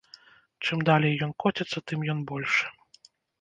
Чым далей ён коціцца, тым ён большы.